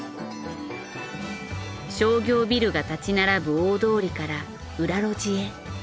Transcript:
商業ビルが建ち並ぶ大通りから裏路地へ。